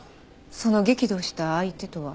その激怒した相手とは？